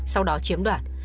sau đó chiếm đoạt